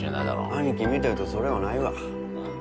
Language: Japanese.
兄貴見てるとそれはないわ